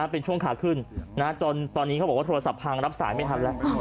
เป็นช่วงขาขึ้นจนตอนนี้เขาบอกว่าโทรศัพท์พังรับสายไม่ทันแล้ว